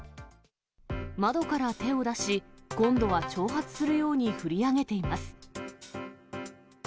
窓から手を出し、今度は挑発するように振り上げています。